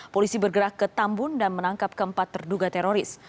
polisi bergerak ke tambun dan menangkap keempat terduga teroris